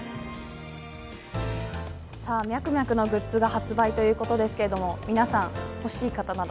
ミャクミャクのグッズが発売ということで欲しい方など。